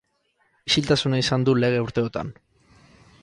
Isiltasuna izan du lege urteotan.